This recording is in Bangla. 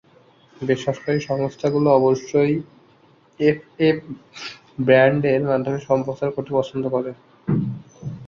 বেসরকারি সংস্থাগুলো অবশ্য এফএম ব্যান্ড এর মাধ্যমে সম্প্রচার করতে পছন্দ করে।